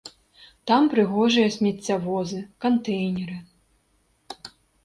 Там прыгожыя смеццявозы, кантэйнеры.